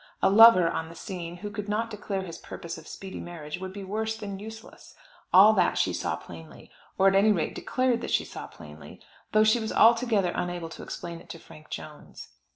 A lover on the scene, who could not declare his purpose of speedy marriage, would be worse than useless. All that she saw plainly, or at any rate declared that she saw plainly, though she was altogether unable to explain it to Frank Jones.